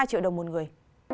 hai triệu đồng một người